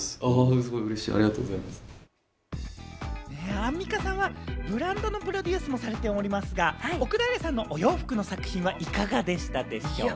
アンミカさんはブランドのプロデュースもされておりますが、奥平さんのお洋服の作品はいかがでしたでしょうか？